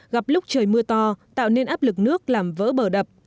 gặp lúc trời mưa to tạo nên áp lực nước làm vỡ bờ đập